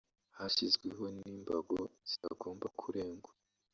hashyizweho n’imbago zitagomba kurengwa